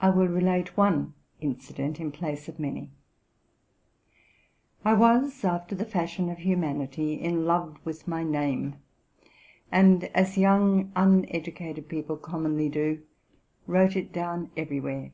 I will relate one incident in place of many. I was, after the fashion of humanity, in love with my name, and, as young, uneducated people commonly do, wrote it down everywhere.